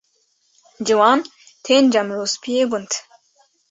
Ciwan tên cem rûspiyê gund.